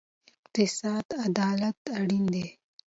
اقتصادي عدالت اړین دی.